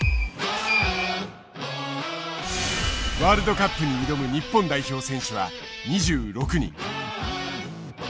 ワールドカップに挑む日本代表選手は２６人。